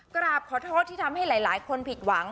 กราบขอโทษที่ทำให้หลายคนผิดหวัง